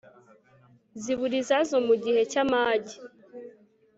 zibura izazo mugihe cya mage